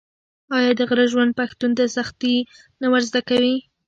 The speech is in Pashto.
آیا د غره ژوند پښتون ته سختي نه ور زده کوي؟